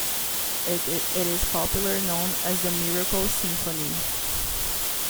It is popularly known as the Miracle Symphony.